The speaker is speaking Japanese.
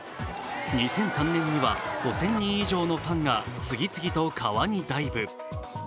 ２００３年には５０００人以上のファンが次々と川にダイブ。